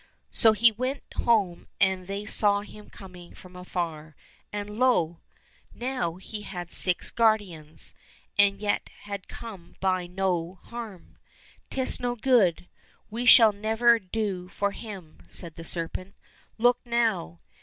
So he went home, and they saw him coming from afar, and lo ! now he had six guardians, and yet had come by no harm. " 'Tis no good ; we shall never do for him," said the serpent. " Look, now